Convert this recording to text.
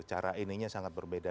cara ininya sangat berbeda